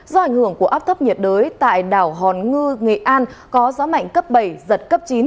do ảnh hưởng của áp thấp nhiệt đới tại đảo hòn ngư nghệ an có gió mạnh cấp bảy giật cấp chín